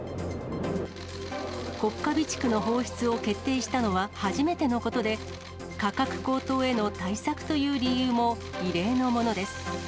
国家備蓄の放出を決定したのは初めてのことで、価格高騰への対策という理由も、異例のものです。